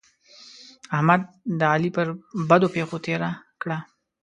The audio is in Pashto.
احمد؛ د علي پر بدو پښه تېره کړه.